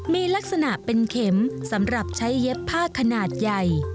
มีลักษณะเป็นเข็มสำหรับใช้เย็บผ้าขนาดใหญ่